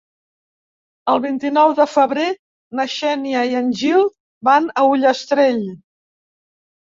El vint-i-nou de febrer na Xènia i en Gil van a Ullastrell.